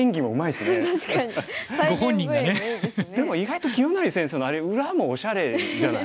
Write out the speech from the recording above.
でも意外と清成先生のあれ裏もおしゃれじゃない？